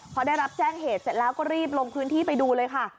พอได้รับแจ้งเหตุเสร็จแล้วก็รีบลงพื้นที่ไปดูเลยค่ะ